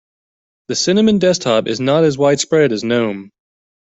The cinnamon desktop is not as widespread as gnome.